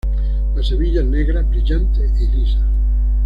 Las semillas negras, brillantes y lisas.